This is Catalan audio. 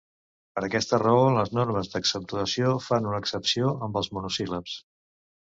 Per aquesta raó les normes d'accentuació fan una excepció amb els monosíl·labs.